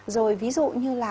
rồi ví dụ như là